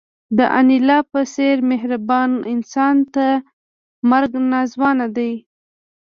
د انیلا په څېر مهربان انسان ته مرګ ناځوانه دی